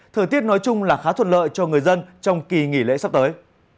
thời tiết nói chung là khá thuận lợi cho người dân trong kỳ nghỉ lễ sắp tới